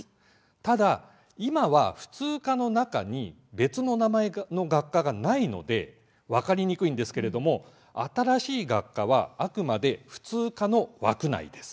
ただ今は普通科の中に別の名前の学科がないので分かりにくいんですが新しい学科は、あくまで普通科の枠内です。